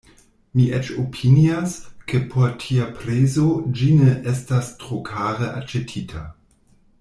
Mi eĉ opinias, ke por tia prezo ĝi ne estas tro kare aĉetita.